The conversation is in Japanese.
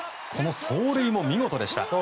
走塁も見事でした。